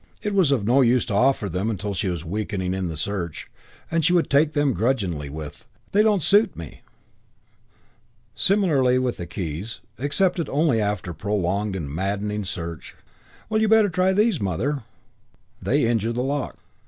It was of no use to offer them till she was weakening in the search, and she would take them grudgingly with, "They don't suit me." Similarly with the keys, accepted only after prolonged and maddening search. "Well, you'd better try these, Mother." "They injure the lock."